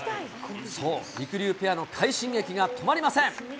りくりゅうペアの快進撃が止まりません。